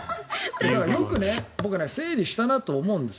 よく整理したなと思うんです。